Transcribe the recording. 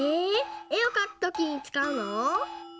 えをかくときにつかうの？